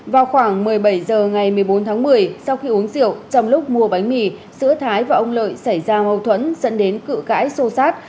vào khoảng một mươi bảy h ngày một mươi bốn tháng một mươi sau khi uống rượu trong lúc mua bánh mì giữa thái và ông lợi xảy ra mâu thuẫn dẫn đến cự cãi sô sát